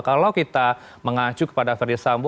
kalau kita mengacu kepada ferdis sambo